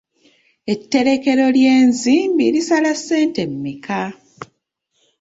Etterekero ly'ensimbi lisala ssente mmeka?